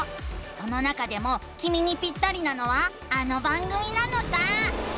その中でもきみにピッタリなのはあの番組なのさ！